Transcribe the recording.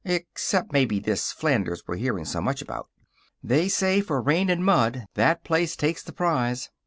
Except maybe this Flanders we're reading so much about. They say for rain and mud that place takes the prize.